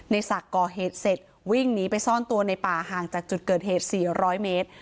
ในศักดิ์ก่อเหตุเสร็จวิ่งหนีไปซ่อนตัวในป่าห่างจากจุดเกิดเหตุ๔๐๐เมตร